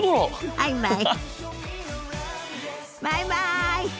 バイバイ！